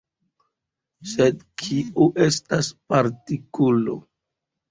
Sed kio estas partikulo?